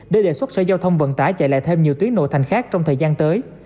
để đề xuất sở giao thông vận tải chạy lại thêm nhiều tuyến nội thành khác trong thời gian tới